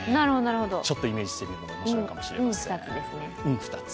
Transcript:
ちょっとイメージしてみるのも面白いかもしれません。